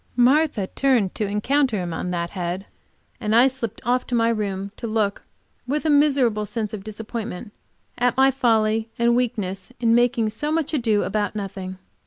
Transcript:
Martha turned to encounter him on that head, and I slipped off to my room to look, with a miserable sense of disappointment, at my folly and weakness in making so much ado about nothing.